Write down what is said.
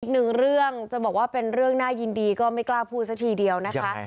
อีกหนึ่งเรื่องจะบอกว่าเป็นเรื่องน่ายินดีก็ไม่กล้าพูดซะทีเดียวนะคะ